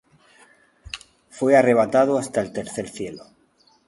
fué arrebatado hasta el tercer cielo.